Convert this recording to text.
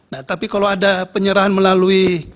nah tapi kalau ada penyerahan melalui